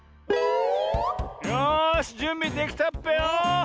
よしじゅんびできたっぺよ！